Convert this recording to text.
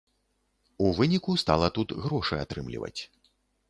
У выніку стала тут грошы атрымліваць.